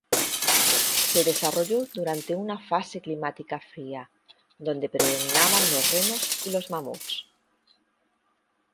Se desarrolló durante una fase climática fría, donde predominaban los renos y los mamuts.